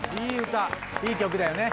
歌いい曲だよね